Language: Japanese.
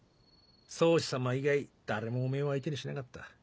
宗師様以外誰もおめぇを相手にしなかった。